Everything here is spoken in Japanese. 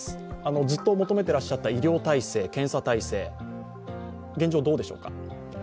ずっと求めていらっしゃった医療体制、検査体制現状、どうでしょうか？